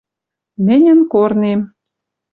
МӸНЬӸН КОРНЕМ